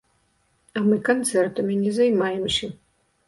А мы канцэртамі не займаемся.